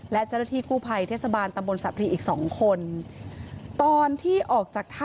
และเจ้าหน้าที่กู้ไพรเทศบาลตำบลสะพรีอีก๒คน